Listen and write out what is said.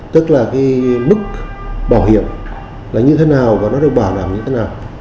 tức là cái mức bảo hiểm là như thế nào và nó được bảo đảm như thế nào